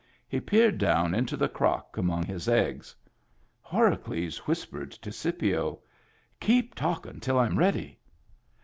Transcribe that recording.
He peered down into the crock among his eggs. Horacles whispered to Scipio :—" Keep talking till I'm ready."